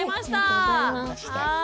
ありがとうございます。